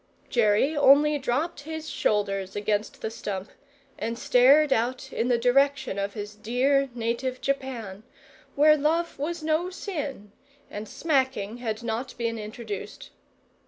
Jerry only dropped his shoulders against the stump and stared out in the direction of his dear native Japan, where love was no sin, and smacking had not been introduced.